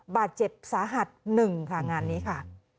บาดเจ็บสาหัส๑ค่ะงานนี้ค่ะ